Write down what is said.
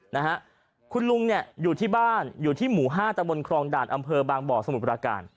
นะฮะคุณลุงเนี่ยอยู่ที่บ้านอยู่ที่หมู่ห้าตะบนครองด่านอำเภอบางบ่อสมุทรปราการ